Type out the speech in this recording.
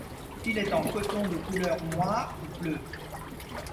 Il est en coton de couleur noire ou bleue.